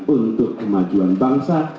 untuk kemajuan bangsa